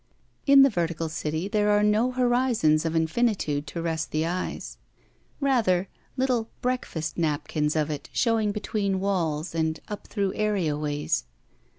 In the vertical city there are no horizons of infinitude to rest the eyes; rather little breakfast napkins of it showing between walls and up through areaways.